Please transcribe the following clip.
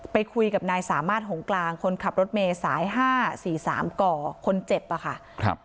ไปคุยกับนายสามารถหงกลางคนขับรถเมย์สาย๕๔๓ก่อคนเจ็บอะค่ะ